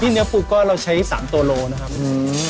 เนื้อปูก็เราใช้๓ตัวโลนะครับอืม